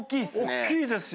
大きいですよ。